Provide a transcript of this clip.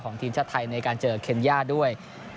ของทีมชาติใทในการเจอเคลียดด้วย